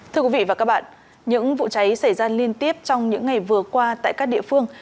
thưa quý vị và các bạn những vụ cháy xảy ra liên tiếp trong những ngày vừa qua tại các địa phương